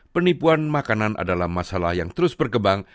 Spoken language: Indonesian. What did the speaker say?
penipuan makanan adalah masalah yang terus berkembang